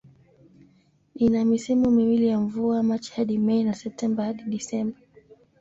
Ina misimu miwili ya mvua, Machi hadi Mei na Septemba hadi Disemba.